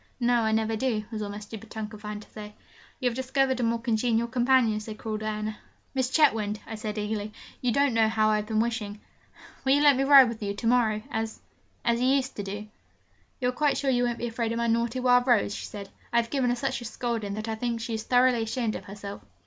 'No, I never do,' was all my stupid tongue could find to say. 'You have discovered a more congenial companion,' said cruel Diana. 'Miss Chetwynd,' I said eagerly, 'you don't know how I have been wishing ! Will you let me ride with you to morrow, as as you used to do?' 'You are quite sure you won't be afraid of my naughty Wild Rose?' she said. 'I have given her such a scolding, that I think she is thoroughly ashamed of herself.'